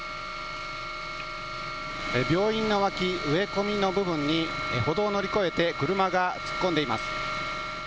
病院の脇、植え込みの部分に、歩道を乗り越えて車が突っ込んでいます。